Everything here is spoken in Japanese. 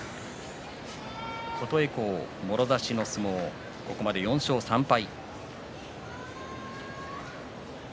琴恵光はもろ差しの相撲ここまで４勝３敗。